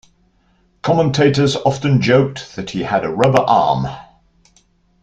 Commentators often joked that he had a "rubber arm".